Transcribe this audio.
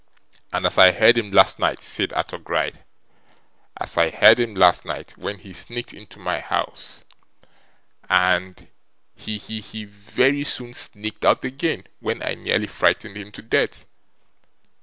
'And as I heard him last night,' said Arthur Gride; 'as I heard him last night when he sneaked into my house, and he! he! he! very soon sneaked out again, when I nearly frightened him to death.